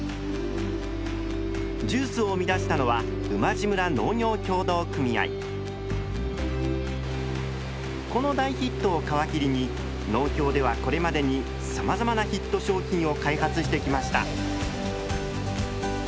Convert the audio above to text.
ジュースを生み出したのはこの大ヒットを皮切りに農協ではこれまでにさまざまなヒット商品を開発してきました。